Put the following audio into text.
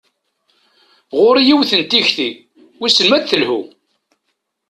Ɣur-i yiwet n tikti, wissen ma ad telhu.